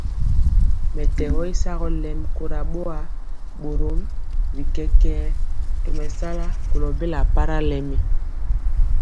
Mɛtɛgɔ y sagɔ lɛmi kora boa, borom bi kɛkɛɛ tomesala kolo bela para lɛmi.